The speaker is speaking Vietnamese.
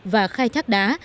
và khai thác đá